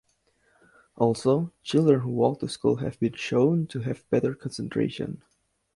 Also, children who walk to school have been shown to have better concentration.